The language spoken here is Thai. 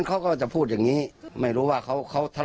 เขาก็โอนให้เลย๕๐๐บาท